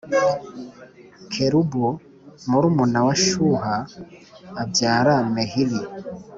Kelubu murumuna wa Shuha abyara Mehiri